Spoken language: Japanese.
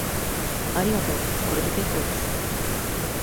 ありがとう。これでけっこうです。